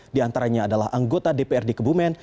diantaranya adalah anggota dprd kebumen